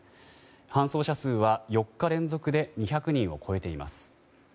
搬送者数は４日連続で２００人を超えています。